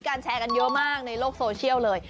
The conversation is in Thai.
แชร์กันเยอะมากในโลกโซเชียลเลย